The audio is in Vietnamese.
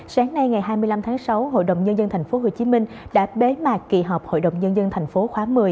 sáng nay ngày hai mươi năm tháng sáu hội đồng nhân dân tp hcm đã bế mạc kỳ họp hội đồng nhân dân tp khóa một mươi